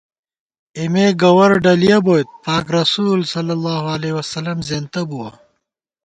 اېمےگوَر ڈلِیَہ بوئیت، پاک رسولﷺ زېنتہ بُوَہ